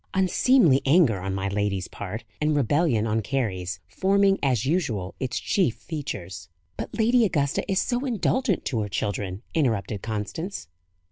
"Unseemly anger on my lady's part, and rebellion on Carry's, forming, as usual, its chief features." "But Lady Augusta is so indulgent to her children!" interrupted Constance.